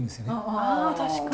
ああ確かに。